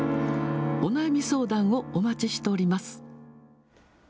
お悩み相談をお待ちしております。